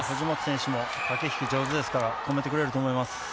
藤本選手も駆け引き上手ですから、止めてくれると思います。